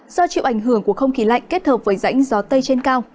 do chịu ảnh hưởng của không khí lạnh kết hợp với rãnh gió tây trên cao